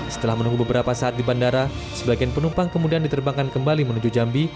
setelah menunggu beberapa saat di bandara sebagian penumpang kemudian diterbangkan kembali menuju jambi